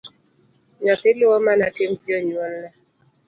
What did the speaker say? Nyathi luwo mana tim janyuolne.